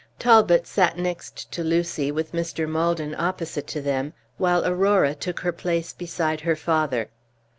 Talbot sat next to Lucy, with Mr. Maldon opposite to them, while Aurora took her place beside her father.